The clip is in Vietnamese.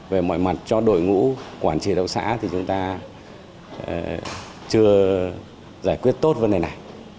về mọi mặt cho đội ngũ quản trị hợp tác xã thì chúng ta chưa giải quyết tốt vấn đề này